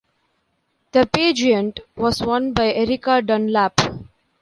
The pageant was won by Ericka Dunlap.